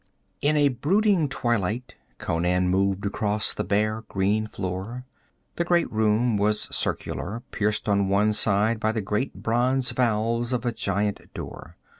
In a brooding twilight Conan moved across the bare green floor. The great room was circular, pierced on one side by the great bronze valves of a giant door.